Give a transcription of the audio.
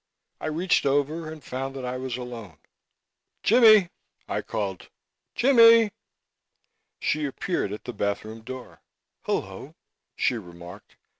I reached over and found that I was alone. "Jimmie!" I called. "Jimmie!" She appeared at the bathroom door. "Hullo," she remarked.